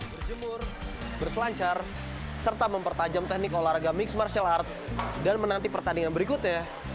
berjemur berselancar serta mempertajam teknik olahraga mixed martial art dan menanti pertandingan berikutnya